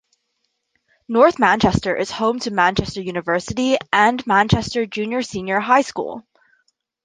North Manchester is home to Manchester University and Manchester Junior-Senior High School.